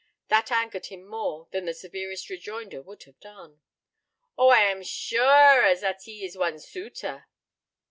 That angered him more than the severest rejoinder would have done. "Oh, I am sure a zat he ees one suitor."